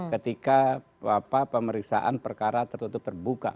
ketika pemeriksaan perkara tertutup terbuka